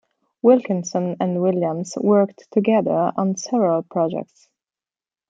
Wilkinson and Williams worked together on several projects.